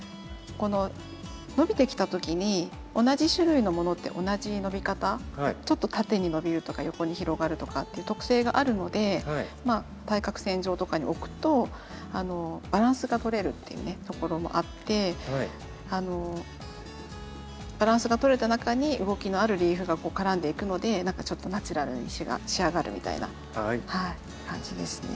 この伸びてきた時に同じ種類のものって同じ伸び方ちょっと縦に伸びるとか横に広がるとかっていう特性があるので対角線上とかに置くとバランスがとれるっていうところもあってあのバランスがとれた中に動きのあるリーフが絡んでいくので何かちょっとナチュラルに仕上がるみたいな感じですね。